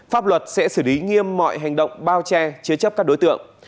pháp luật sẽ xử lý nghiêm mọi hành động bao che chế chấp các đối tượng